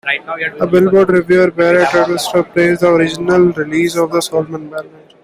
A "Billboard" reviewer Brett Atwood praised the original release as "solemn ballad.